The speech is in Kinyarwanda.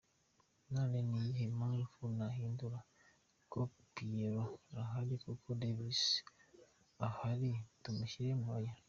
None ni iyihe mpamvu nahindura? Kuko Pierrot ahari, kuko Davis ahari tumushyiremo? Oya.